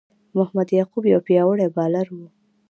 محمد یعقوب یو پياوړی بالر وو.